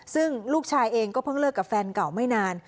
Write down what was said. ซึ่งลูกชายเองก็เพิ่งเลิกกับแฟนเก่าไม่นาน